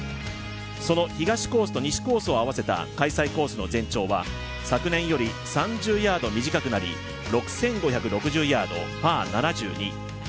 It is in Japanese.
その東コースと西コースを合わせた開催コースの全長は昨年より３０ヤード短くなり６５６０ヤード、パー７２。